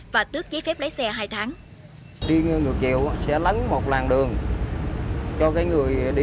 và tước giấy phép lấy xe hai tháng